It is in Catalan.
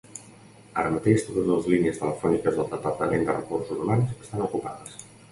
Ara mateix totes les línies telefòniques del departament de recursos humans estan ocupades.